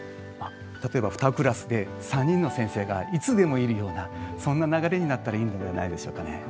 例えば２クラスで３人の先生がいつでもいるようなそんな流れになったらいいんではないでしょうかね。